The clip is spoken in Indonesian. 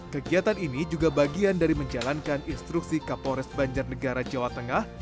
kegiatan ini juga bagian dari menjalankan instruksi kapolres banjarnegara jawa tengah